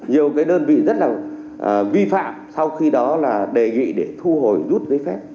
nhiều cái đơn vị rất là vi phạm sau khi đó là đề nghị để thu hồi rút giấy phép